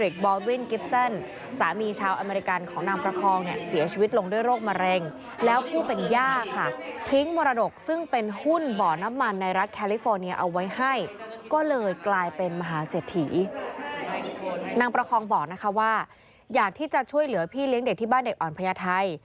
ก็เลยกลายเป็นมหาเสียทีนางประคองบอกนะคะว่าอยากที่จะช่วยเหลือพี่เลี้ยงเด็กที่บ้านเด็กอ่อนพยาไทย